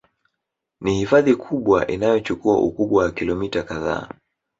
Ni hifadhi kubwa Inayochukua Ukubwa wa kilomita kadhaa